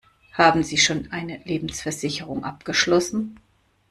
Haben Sie schon eine Lebensversicherung abgeschlossen?